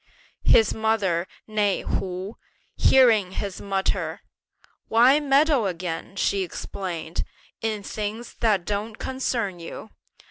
His mother, née Hu, hearing him mutter; "Why meddle again," she explained, "in things that don't concern you?